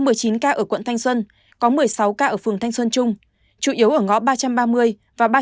trong một mươi chín ca ở quận thanh xuân có một mươi sáu ca ở phường thanh xuân trung chủ yếu ở ngõ ba trăm ba mươi và ba trăm hai mươi tám nguyễn trãi